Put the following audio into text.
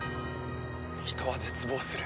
人は絶望する。